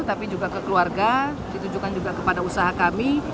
tapi juga ke keluarga ditujukan juga kepada usaha kami